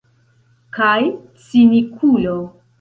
Kaj cinikulo.